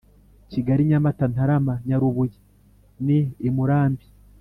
Kigali , Nyamata , Ntarama , Nyarubuye ni i Murambi ,